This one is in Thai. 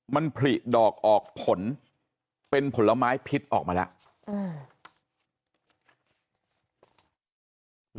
มันผลิดอกออกผลเป็นผลไม้พิษออกมาแล้ว